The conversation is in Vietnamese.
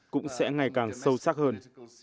cũng sẽ ngày càng sâu sắc hơn